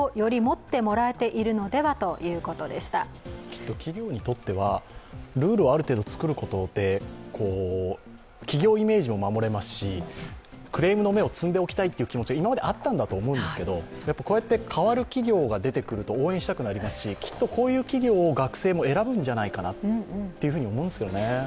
きっと企業にとっては、ルールをある程度作ることで企業イメージも守れますしクレームの芽を摘んでおきたいという気持ちも今まであったんだと思うんですけど、こうやって変わる企業が出てくると応援したくなりますし、きっとこういう企業を学生も選ぶんじゃないかなと思うんですけどね。